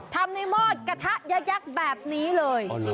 ทำในหม้อกระทะยักษ์แบบนี้เลย